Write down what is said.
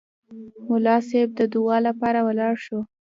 ملا صیب د دعا لپاره ولاړ شو.